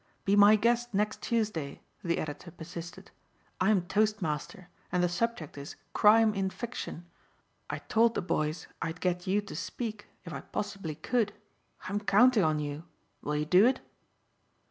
"Be my guest next Tuesday," the editor persisted. "I'm toastmaster and the subject is 'Crime in Fiction.' I told the boys I'd get you to speak if I possibly could. I'm counting on you. Will you do it?"